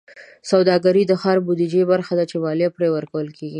سوداګرۍ د ښاري بودیجې برخه ده چې مالیه پرې ورکول کېږي.